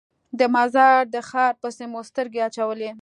د مزار د ښار پسې مو سترګې اچولې.